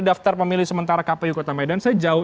daftar pemilih sementara kpu kota medan saya jauh